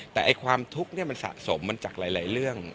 แต่ความทุกข์มันสะสมมันจากหลายเรื่อง